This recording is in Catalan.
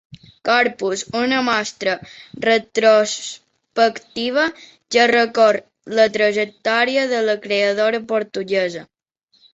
Corpus, una mostra retrospectiva que recorre la trajectòria de la creadora portuguesa.